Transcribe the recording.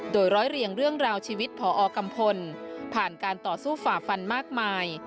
โดยร้อยเรียงเรื่องราวชีวิตพอกัมพลผ่านการต่อสู้ฝ่าฟันมากมาย